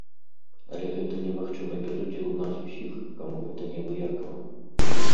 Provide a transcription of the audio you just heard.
Але гэта немагчыма без удзелу нас усіх, каму гэта неабыякава.